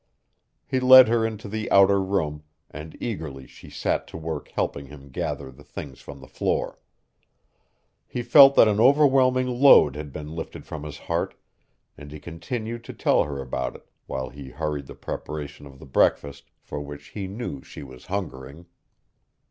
He led her into the outer room, and eagerly she set to work helping him gather the things from the floor. He felt that an overwhelming load had been lifted from his heart, and he continued to tell her about it while he hurried the preparation of the breakfast for which he knew she was hungering.